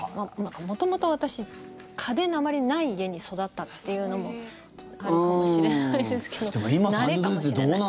元々、私、家電があまりない家に育ったというのもあるかもしれないですけど慣れかもしれない。